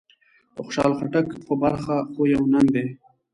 د خوشحال خټک په برخه خو يو ننګ دی.